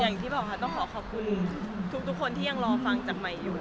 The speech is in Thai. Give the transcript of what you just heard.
อย่างที่บอกค่ะต้องขอขอบคุณทุกคนที่ยังรอฟังจากใหม่อยู่